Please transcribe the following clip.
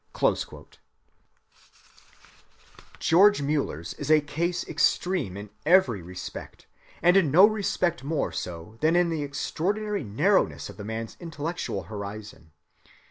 (312) George Müller's is a case extreme in every respect, and in no respect more so than in the extraordinary narrowness of the man's intellectual horizon.